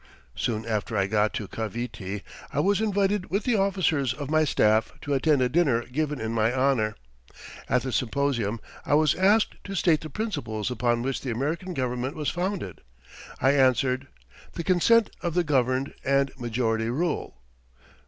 "Soon after I got to Cavite, I was invited with the officers of my staff to attend a dinner given in my honour. At the symposium I was asked to state the principles upon which the American government was founded. I answered, 'The consent of the governed, and majority rule.'